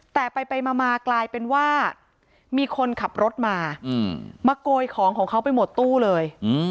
แต่ไปมากลายเป็นว่ามีคนขับรถมามาโกยของของเขาไปหมดตู้เลย